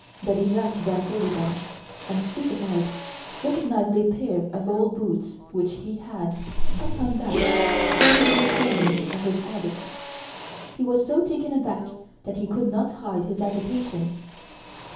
Daddy Jacques bent over them and, stupefied, recognised a pair of old boots which he had, some time back, thrown into a corner of his attic. He was so taken aback that he could not hide his agitation.